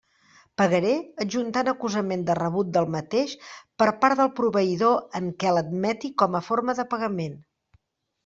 Pagaré, adjuntant acusament de rebut del mateix per part del proveïdor en què l'admeti com a forma de pagament.